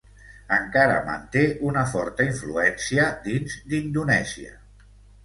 Encara manté una forta influència dins d'Indonèsia.